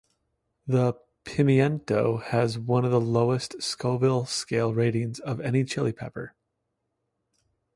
The pimiento has one of the lowest Scoville scale ratings of any chili pepper.